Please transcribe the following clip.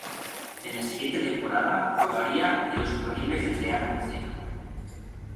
En la siguiente temporada, jugaría en los juveniles del Real Murcia.